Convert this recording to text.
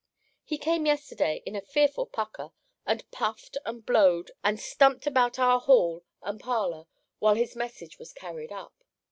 He came yesterday, in a fearful pucker, and puffed, and blowed, and stumped about our hall and parlour, while his message was carried up.